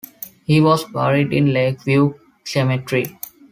He was buried in Lake View Cemetery.